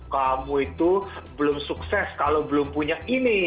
kamu itu belum sukses kalau belum punya ini